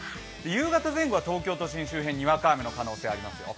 夕方前後は東京都心周辺、にわか雨の可能性ありますよ。